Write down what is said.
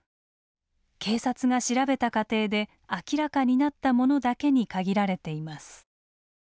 警察が調べた過程で明らかになったものだけに限られています。